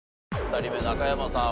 ２人目中山さん